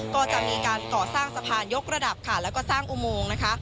ก็จะมีการก่อสร้างสะพานยกระดับค่ะแล้วก็สร้างอุโมงนะคะ